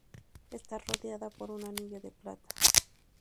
Está rodeada por un anillo de plata.